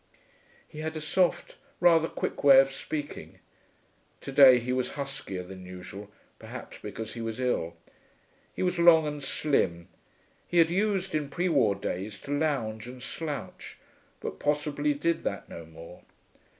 He had a soft, rather quick way of speaking; to day he was huskier than usual, perhaps because he was ill. He was long and slim; he had used, in pre war days, to lounge and slouch, but possibly did that no more.